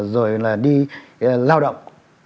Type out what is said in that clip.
rồi là đi lao động